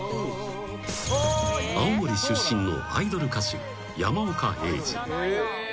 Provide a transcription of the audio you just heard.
［青森出身のアイドル歌手山岡英二］